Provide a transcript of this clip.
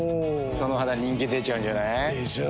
その肌人気出ちゃうんじゃない？でしょう。